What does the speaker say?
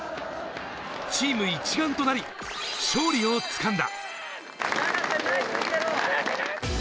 チーム一丸となり、勝利をつかんだ！